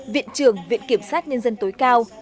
viện trường viện kiểm soát nhân dân tối cao